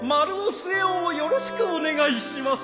末男をよろしくお願いします。